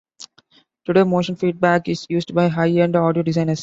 Today, Motional Feedback is used by high-end audio designers.